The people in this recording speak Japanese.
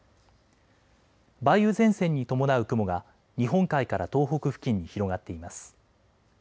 梅雨前線に伴う雲が日本海から東北付近に広がっています。